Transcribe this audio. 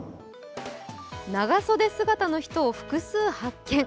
長袖姿の人を複数発見。